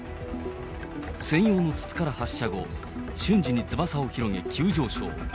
専用の筒から発射後、瞬時に翼を広げ急上昇。